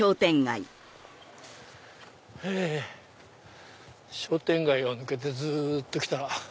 へぇ商店街を抜けてずっと来たら。